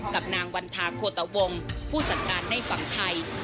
กับนางวันทาโคตวงผู้จัดการในฝั่งไทย